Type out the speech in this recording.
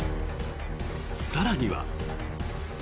更には。